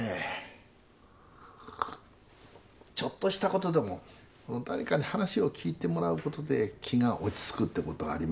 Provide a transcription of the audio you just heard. ちょっとしたことでも誰かに話を聞いてもらうことで気が落ち着くってことがあります。